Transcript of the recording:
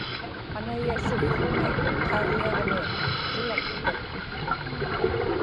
anayasukłuni qaiḷḷiġmi tulaktuq